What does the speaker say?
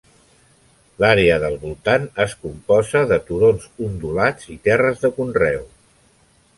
L'àrea del voltant es composa de turons ondulats i terres de conreu.